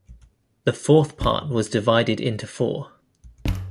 The fourth part was divided into four.